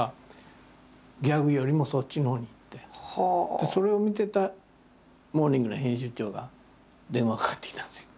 でそれを見てた「モーニング」の編集長が電話かかってきたんですよ。